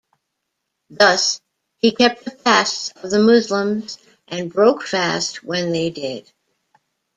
Thus, he kept the fasts of the Muslims and broke fast when they did.